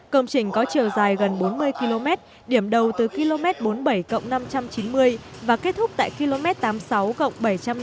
công trình có chiều dài gần bốn mươi km điểm đầu từ km bốn mươi bảy năm trăm chín mươi và kết thúc tại km tám mươi sáu cộng bảy trăm năm mươi